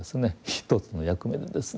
一つの役目でですね